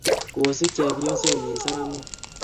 kosich chepyosenyin saramek